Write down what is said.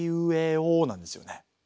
「お」なんですよね。